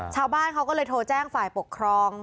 ชาวบ้านเขาก็เลยโทรแจ้งฝ่ายปกครอง